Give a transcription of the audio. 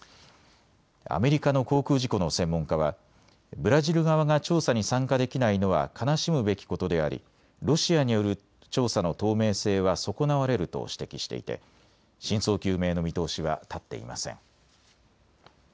アメリカの航空事故の専門家はブラジル側が調査に参加できないのは悲しむべきことでありロシアによる調査の透明性は損なわれると指摘していて真相究明の見通しは立っていません。